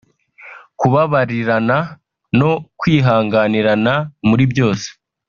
kubabarirana no kwihanganirana muri byose